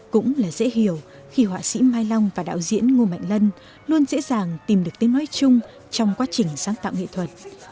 cũng là dễ hiểu khi họa sĩ mai long và đạo diễn ngô mạnh lân luôn dễ dàng tìm được tiếng nói chung trong quá trình sáng tạo nghệ thuật